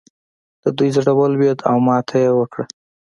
د دوی زړه ولوېد او ماته یې وکړه.